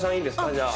じゃあ。